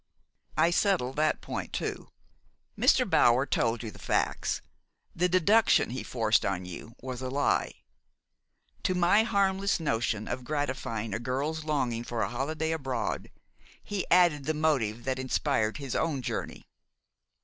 "I settled that point too. Mr. Bower told you the facts. The deduction he forced on you was a lie. To my harmless notion of gratifying a girl's longing for a holiday abroad he added the motive that inspired his own journey.